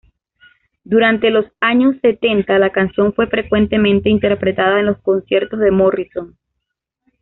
Durante los años setenta, la canción fue frecuentemente interpretada en los conciertos de Morrison.